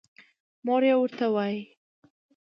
مور يې ورته وايې